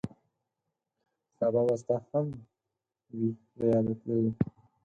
سبا به ستا هم وي له یاده تللی